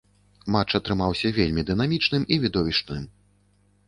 Матч атрымаўся вельмі дынамічным і відовішчным.